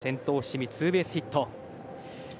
先頭、伏見ツーベースヒット。